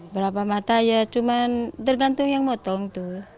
berapa mata ya cuma tergantung yang motong tuh